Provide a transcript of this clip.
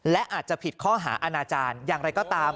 และอาจจะผิดข้อหาอาณาจารย์อย่างไรก็ตาม